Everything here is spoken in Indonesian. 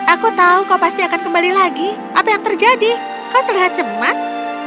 aku tahu kau pasti akan kembali lagi apa yang terjadi kau terlihat cemas